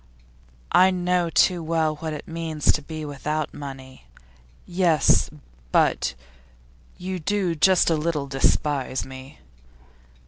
'I know too well what it means to be without money.' 'Yes, but you do just a little despise me?